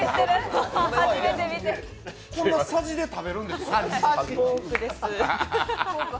このさじで食べるんですか？